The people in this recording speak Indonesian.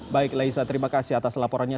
baik laisa terima kasih atas laporannya